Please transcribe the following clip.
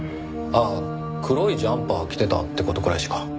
ああ黒いジャンパー着てたって事くらいしか。